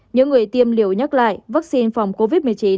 những người tiêm liều nhắc lại vaccine phòng covid một mươi chín